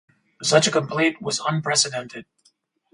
Such a complaint was unprecedented.